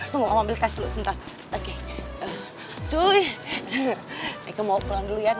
cuy hehehe hehehe aku mau pulang dulu ya nek